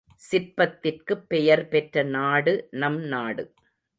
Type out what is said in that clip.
சிற்பத்திற்குப் பெயர் பெற்ற நாடு நம் நாடு.